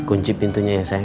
kunci pintunya ya sayang